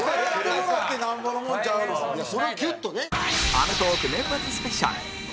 『アメトーーク』年末スペシャル